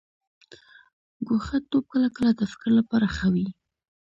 ګوښه توب کله کله د فکر لپاره ښه وي.